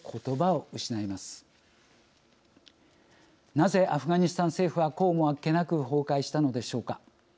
なぜアフガニスタン政府はこうもあっけなく崩壊したのでしょうか。